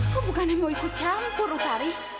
kamu bukan yang mau ikut campur utari